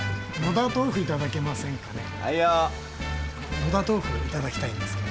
野田豆腐頂きたいんですけど。